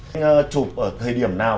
anh chụp ở thời điểm nào